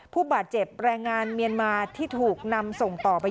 ผู้บาดเจ็บแรงงานเมียนมาที่ถูกนำส่งต่อไป